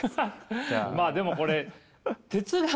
まあでもこれ哲学。